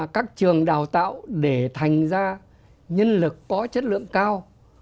các trường đào tạo để thành ra nhân lực có chất lượng cao